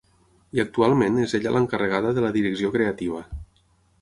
I actualment és ella l'encarregada de la direcció creativa.